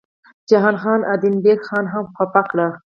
جهان خان ادینه بېګ خان هم خپه کړ.